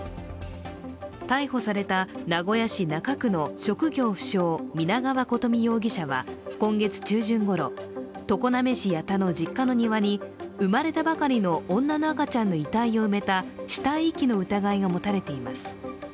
逮捕された名古屋市中区の職業不詳・皆川琴美容疑者は今月中旬ごろ、常滑市矢田の実家の庭に生まれたばかりの女の赤ちゃんの遺体を埋めた死体遺棄の疑いが持たれています。